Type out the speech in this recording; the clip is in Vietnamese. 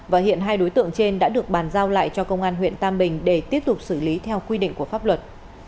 và hiện hai đối tượng trên đã được bàn giao lại cho công an huyện tam bình để tiếp tục xử lý theo quy định của pháp luật